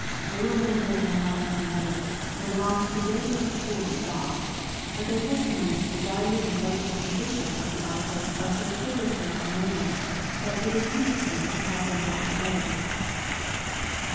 They were men very unlike one another, and belonged to very different schools of thought. But their testimonies to the value and rightful position of the Articles are so curiously harmonious, that it is interesting to have them brought together.